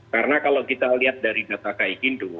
karena kalau kita lihat dari data kaik indo